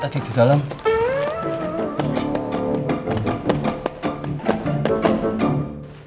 tanski ada di dalam ya